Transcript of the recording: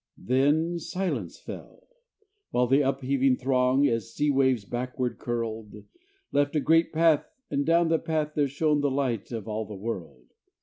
Then silence fell, while the upheaving throng, As sea waves backward curled, Left a great path, and down the path there shone The Light of all the world.